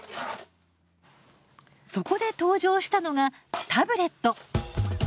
そこで登場したのがタブレット。